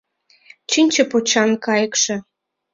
Чинче почан кайыкше